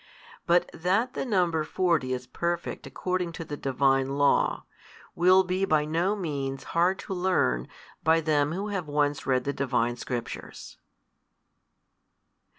But that the number forty is perfect according to the Divine Law, will be by no means hard to learn by them who have once read the Divine Scriptures.